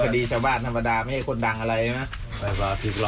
เป็นคดีชาวบ้านธรรมดาไม่ได้คนดังอะไรนะ